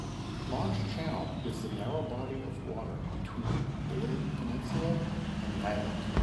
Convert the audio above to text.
Launch Channel is the narrow body of water between Bailey Peninsula and the island.